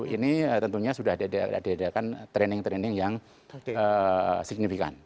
ini tentunya sudah diadakan training training yang signifikan